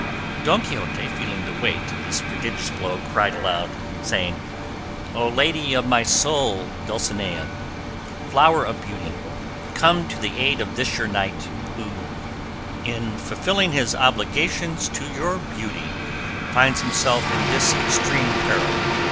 Don Quixote, feeling the weight of this prodigious blow, cried aloud, saying, "O lady of my soul, Dulcinea, flower of beauty, come to the aid of this your knight, who, in fulfilling his obligations to your beauty, finds himself in this extreme peril."